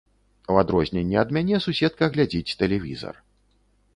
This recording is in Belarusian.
У адрозненне ад мяне, суседка глядзіць тэлевізар.